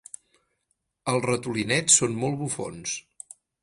Els ratolinets són molt bufons.